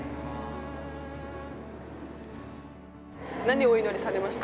何をお祈りされました？